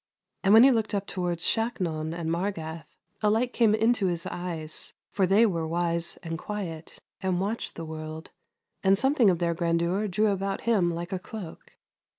And when he looked up towards Shaknon and Margath, a light came in his eyes, for they were wise and quiet, and watched the world, and something of their grandeur drew about him like a cloak.